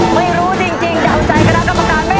ไม่รู้จริงเดี๋ยวใจกระดาษกรรมการไม่ออก